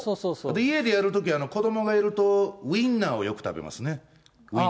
家でやるとき、子どもがいると、ウインナーをよく食べますね。